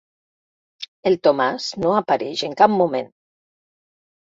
El Tomàs no apareix en cap moment.